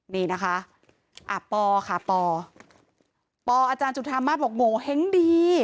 นี่นะคะปอค่ะปอปออาจารย์จุธามาสบอกโงเห้งดี